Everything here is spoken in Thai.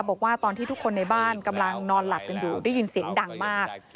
บอกว่าตอนที่ทุกคนในบ้านกำลังนอนหลับกันอยู่ได้ยินเสียงดังมาก